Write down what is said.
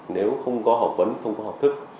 nếu không có học vấn học thức